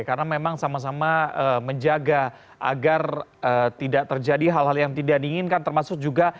karena memang sama sama menjaga agar tidak terjadi hal hal yang tidak diinginkan termasuk juga